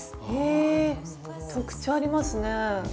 え特徴ありますね。